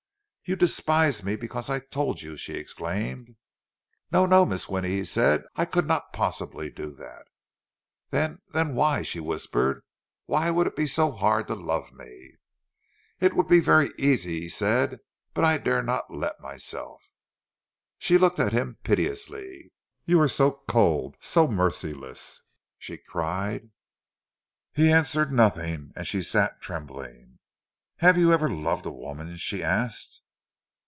"You despise me because I told you!" she exclaimed. "No, no, Mrs. Winnie," he said. "I could not possibly do that—" "Then—then why—" she whispered.—"Would it be so hard to love me?" "It would be very easy," he said, "but I dare not let myself." She looked at him piteously. "You are so cold—so merciless!" she cried. He answered nothing, and she sat trembling. "Have you ever loved a woman?" she asked.